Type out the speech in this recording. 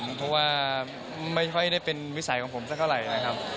เพราะว่าไม่ค่อยได้เป็นวิสัยของผมสักเท่าไหร่นะครับ